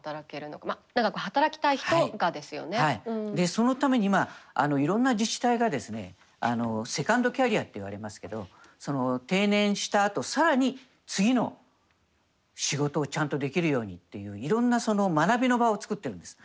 そのために今いろんな自治体がですねセカンドキャリアっていわれますけど定年したあと更に次の仕事をちゃんとできるようにっていういろんな学びの場を作ってるんです。